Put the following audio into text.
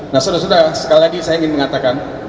nah sudah sudah sekali lagi saya ingin mengatakan